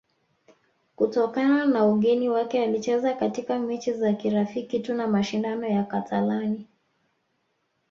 kutokana na ugeni wake alicheza katika mechi za kirafiki tu na mashindano ya katalani